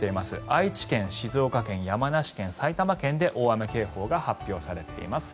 愛知県、静岡県、山梨県埼玉県で大雨警報が発表されています。